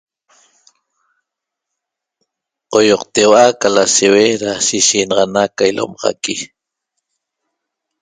Qoýoqteu'a ca lasheue da shishinaxana ca ilomaxaqui